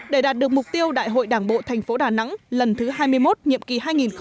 để đạt được mục tiêu đại hội đảng bộ tp đà nẵng lần thứ hai mươi một nhiệm kỳ hai nghìn một mươi năm hai nghìn hai mươi